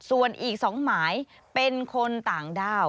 ส่วนอีก๒หมายเป็นคนต่างด้าว